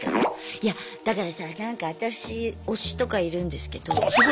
いやだからさなんか私推しとかいるんですけど。